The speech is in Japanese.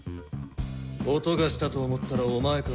音がしたと思ったらお前か。